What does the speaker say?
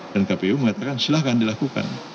dan kpu mengatakan silahkan dilakukan